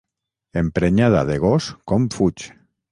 Emprenyada de gos com fuig.